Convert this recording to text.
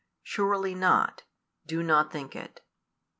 Surely not: do not think it.